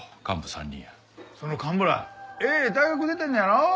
その幹部らええ大学出てんのやろ。